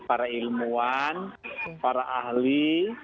para ilmuwan para ahli